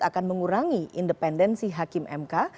akan mengurangi independensi hakim mk